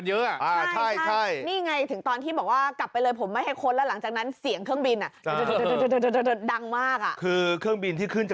เออหลังสมสรรค์สมรวจ